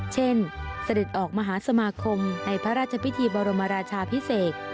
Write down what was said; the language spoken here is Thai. เสด็จออกมหาสมาคมในพระราชพิธีบรมราชาพิเศษ